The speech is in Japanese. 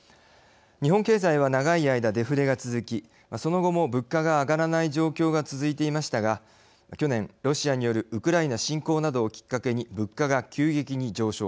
日本経済は長い間デフレが続きその後も物価が上がらない状況が続いていましたが去年ロシアによるウクライナ侵攻などをきっかけに物価が急激に上昇。